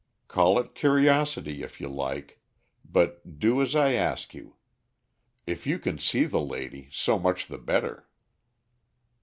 Call it curiosity if you like, but do as I ask you. If you can see the lady so much the better."